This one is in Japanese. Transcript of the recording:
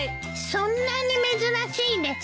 そんなに珍しいですか？